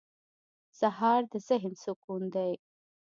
سهار د ذهن سکون دی.